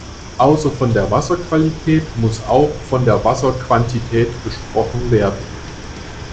Außer von der Wasserqualität muss auch von der Wasserquantität gesprochen werden.